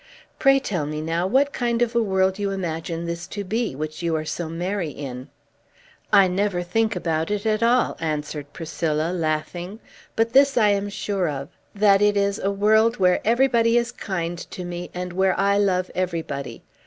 Pray tell me, now, what kind of a world you imagine this to be, which you are so merry in." "I never think about it at all," answered Priscilla, laughing. "But this I am sure of, that it is a world where everybody is kind to me, and where I love everybody.